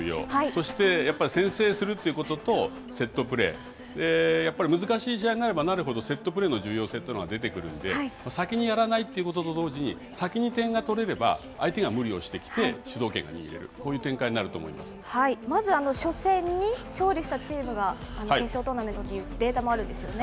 そしてやっぱり先制するということと、セットプレー、やっぱり難しい試合になればなるほど、セットプレーの重要性というのが出てくるんで、先にやらないということと同時に、先に点が取れれば、相手が無理をしてきて主導権を握れる、こういう展開になると思いまず初戦に勝利したチームが決勝トーナメントに行くというデータもあるんですよね。